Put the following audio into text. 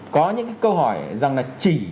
có những câu hỏi rằng là chỉ